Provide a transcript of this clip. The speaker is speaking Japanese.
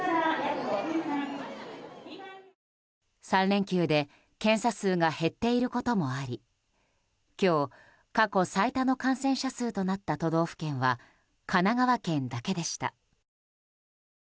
３連休で検査数が減っていることもあり今日、過去最多の感染者数となった都道府県は神奈川県だけでした。